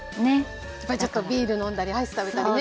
やっぱりちょっとビール飲んだりアイス食べたりね。